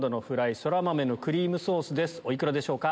お幾らでしょうか？